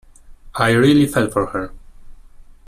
I really fell for her.